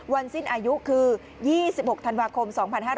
สิ้นอายุคือ๒๖ธันวาคม๒๕๕๙